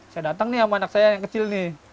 saya datang nih sama anak saya yang kecil nih